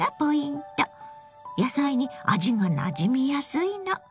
野菜に味がなじみやすいの。